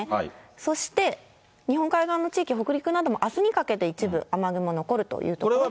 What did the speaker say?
そして、日本海側の地域、北陸などもあすにかけて一部雨雲残るというところがありそうです。